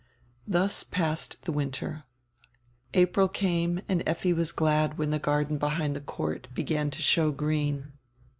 Thus passed the winter. April came and Effi was glad when the garden behind the court began to show green.